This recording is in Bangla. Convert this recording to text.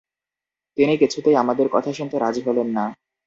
তিনি কিছুতেই আমাদের কথা শুনতে রাজি হলেন না।